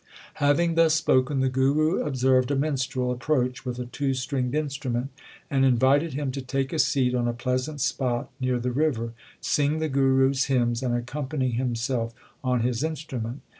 Having thus spoken the Guru observed a minstrel approach with a two stringed instrument, and invited him to take a seat on a pleasant spot near the river, sing the Guru s hymns, and accompany himself on his instrument.